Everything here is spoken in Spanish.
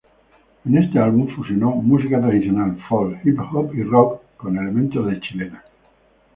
En este álbum fusionó música tradicional, folk, hip-hop y rock con elementos de chilena.